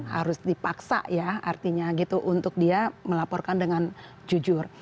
harus dipaksa ya artinya gitu untuk dia melaporkan dengan jujur